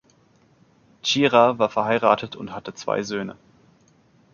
Tschira war verheiratet und hatte zwei Söhne.